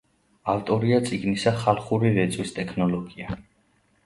ავტორია წიგნისა ხალხური რეწვის ტექნოლოგია.